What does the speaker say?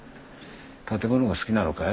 建物が好きなのかい？